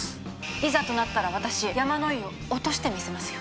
いざとなったら、私山野井を落としてみせますよ。